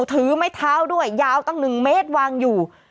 ถือไม้เท้าด้วยยาวตั้ง๑เมตรวางอยู่